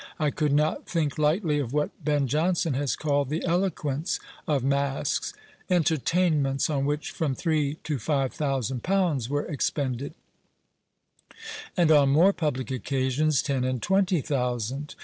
I could not think lightly of what Ben Jonson has called "The Eloquence of Masques;" entertainments on which from three to five thousand pounds were expended, and on more public occasions ten and twenty thousand.